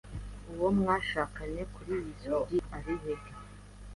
Uwo mwashakanye kuriyi sogi ari he?